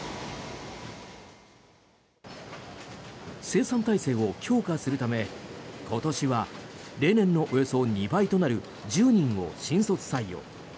生産体制を強化するため今年は例年のおよそ２倍となる１０人を新卒採用。